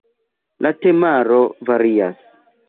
La temaro varias.